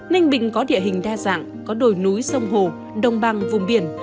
ninh bình có địa hình đa dạng có đồi núi sông hồ đồng bằng vùng biển